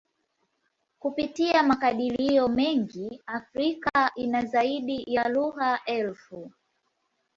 Kupitia makadirio mengi, Afrika ina zaidi ya lugha elfu.